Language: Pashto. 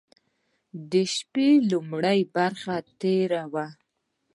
د شپې لومړۍ برخه تېره وه.